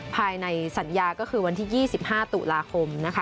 ภายในสัญญาก็คือวันที่๒๕ตุลาคมนะคะ